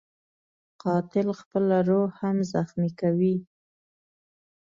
قاتل خپله روح هم زخمي کوي